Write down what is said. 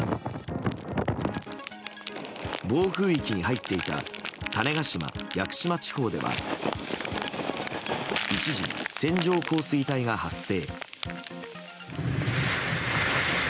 暴風域に入っていた種子島・屋久島地方では一時、線状降水帯が発生。